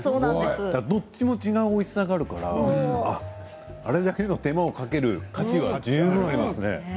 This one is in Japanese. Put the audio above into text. どっちも違うおいしさがあるからあれだけの手間をかける価値は十分ありますね。